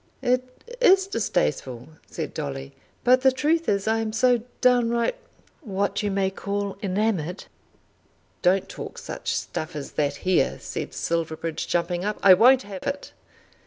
"It is distasteful," said Dolly; "but the truth is I am so downright, what you may call enamoured " "Don't talk such stuff as that here," said Silverbridge, jumping up. "I won't have it."